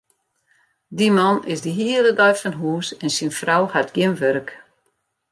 Dy man is de hiele dei fan hûs en syn frou hat gjin wurk.